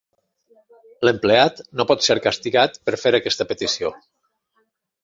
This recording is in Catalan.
L'empleat no pot ser castigat per fer aquesta petició.